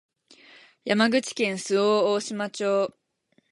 山口県周防大島町